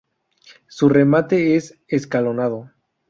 Su remate es escalonado.